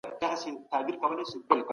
سیاستوالو به د هر فرد خوندیتوب باوري کوی.